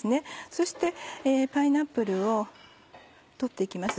そしてパイナップルを取って行きます。